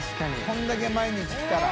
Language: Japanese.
これだけ毎日来たら。